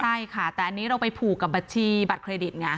ใช่ค่ะแต่อันนี้เราไปผูกกับบัญชีบัตรเครดิตไง